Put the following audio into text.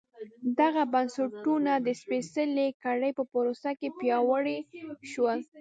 دغه بنسټونه د سپېڅلې کړۍ په پروسه کې پیاوړي شول.